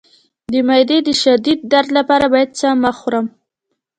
د معدې د شدید درد لپاره باید څه مه خورم؟